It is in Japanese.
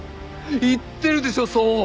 言ってるでしょそう！